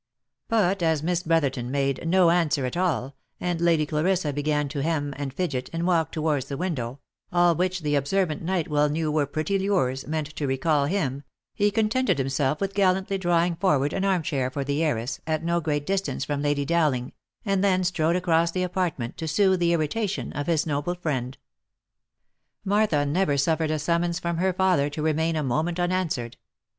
But as Miss Brotherton made no an swer at all, and Lady Clarissa began to hem, and fidget, and walk to wards the window, all which the observant knight well knew were pretty lures, meant to recal him, he contented himself with gallantly drawing forward an arm chair for the heiress, at no great distance from Lady Dowling, and then strode across the apartment to sooth the irritation of his noble friend. Martha never suffered a summons from her father to remain a mo OF MICHAEL ARMSTRONG. 171 ment unanswered.